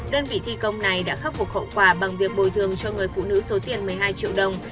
đơn vị thi công này đã khắc phục hậu quả bằng việc bồi thường cho người phụ nữ số tiền một mươi hai triệu đồng